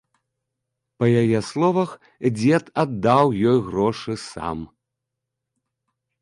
Па яе словах, дзед аддаў ёй грошы сам.